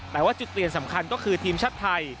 แต่ว่าจุดเปลี่ยนสำคัญก็คือทีมชาติไทย